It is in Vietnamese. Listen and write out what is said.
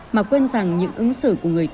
mà quên rằng những ứng xử của người trường